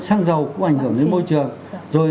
xăng dầu cũng ảnh hưởng đến môi trường rồi